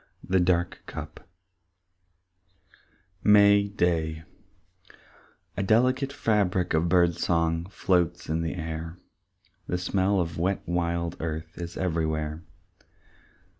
The Dark Cup VI May Day A delicate fabric of bird song Floats in the air, The smell of wet wild earth Is everywhere.